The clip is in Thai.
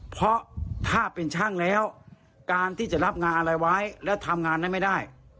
เพราะถ้าเป็นช่างแล้วการที่จะรับงานอะไรไว้และทำงานนั้นไม่ได้